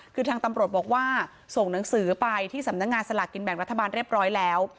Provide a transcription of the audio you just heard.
คือทางตำรวจบอกว่าส่งหนังสือไปที่สำนักงานสลากกินแบ่งรัฐบาลเรียบร้อยแล้ว